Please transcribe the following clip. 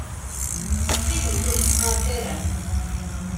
Ttxil-wet ur s-qqaṛet ara.